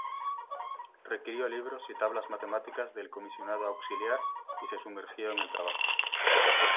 Requirió libros y tablas matemáticas del Comisionado Auxiliar y se sumergió en el trabajo.